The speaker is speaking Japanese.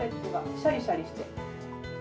シャリシャリして。